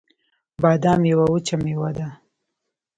بادام یوه وچه مېوه ده